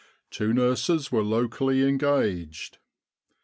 Two nurses were locally engaged.